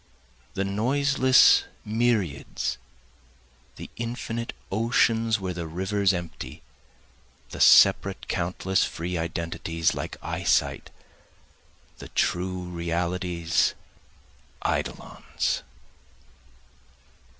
The noiseless myriads, The infinite oceans where the rivers empty, The separate countless free identities, like eyesight, The true realities, eidolons.